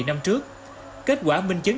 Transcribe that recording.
năm trước kết quả minh chứng